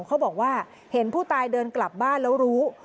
เขาบอกว่าเห็นผู้ตายเดินกลับบ้านแล้วรู้